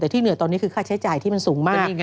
แต่ที่เหนื่อยตอนนี้คือค่าใช้จ่ายที่มันสูงมาก